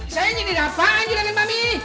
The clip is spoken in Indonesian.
saya nyindir apaan julagan mami